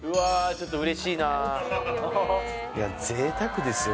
ちょっとうれしいないや贅沢ですよ